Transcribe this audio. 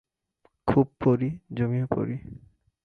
খুব পড়ি, জমিয়ে পড়ি।